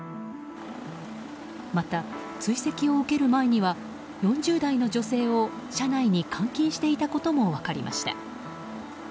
また、追跡を受ける前には４０代の女性を車内に監禁していたことも分かりました。